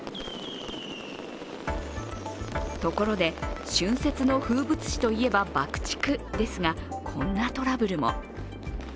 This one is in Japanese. ところで、春節の風物詩といえば爆竹ですが、こんなトラブルも。